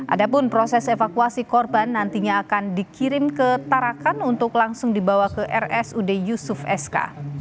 adapun proses evakuasi korban nantinya akan dikirim ke tarakan untuk langsung dibawa ke rsud yusuf sk